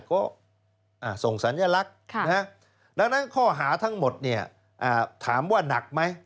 ก็ส่งสัญลักษณ์ดังนั้นข้อหาทั้งหมดเนี่ยถามว่าหนักไหม